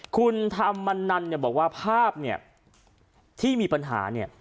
คุณธรรมนันบอกว่าภาพที่มีปัญหา